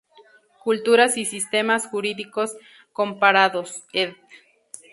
Culturas y sistemas jurídicos comparados, Ed.